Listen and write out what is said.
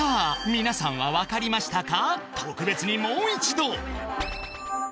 皆さんは分かりましたか？